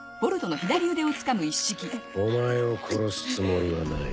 お前を殺すつもりはない。